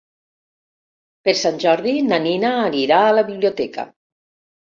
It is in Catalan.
Per Sant Jordi na Nina anirà a la biblioteca.